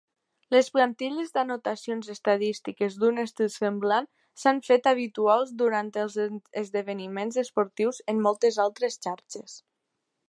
Les plantilles d'anotacions estadístiques d'un estil semblant s'han fet habituals durant els esdeveniments esportius en moltes altres xarxes.